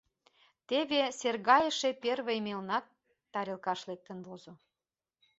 Теве саргайыше первый мелнат тарелкаш лектын возо.